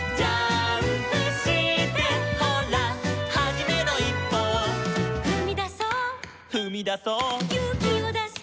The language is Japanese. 「ほらはじめのいっぽを」「ふみだそう」「ふみだそう」「ゆうきをだして」